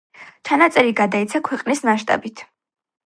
ჩანაწერი გადაიცა ქვეყნის მასშტაბით.